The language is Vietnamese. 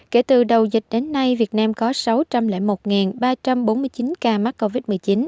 kể từ đầu dịch đến nay việt nam có sáu trăm linh một ba trăm bốn mươi chín ca mắc covid một mươi chín